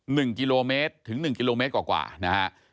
หนึ่งกิโลเมตรถึงหนึ่งกิโลเมตรกว่ากว่านะฮะ